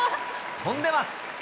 跳んでます。